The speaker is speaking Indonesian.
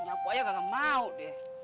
nyapu aja gak mau deh